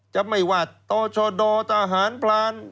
จะไม่ว่าโตชโดทหารพลาน